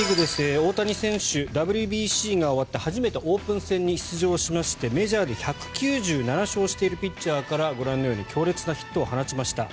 大谷選手、ＷＢＣが終わって初めてオープン戦に出場しましてメジャーで１９７勝しているピッチャーからご覧のように強烈なヒットを放ちました。